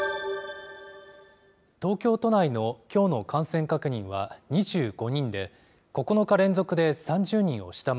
東京都内のきょうの感染確認は２５人で、９日連続で３０人を下回